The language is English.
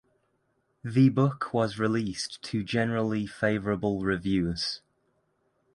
The book was released to generally favorable reviews.